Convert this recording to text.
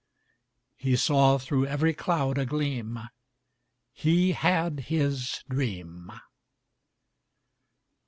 He saw through every cloud a gleam He had his dream.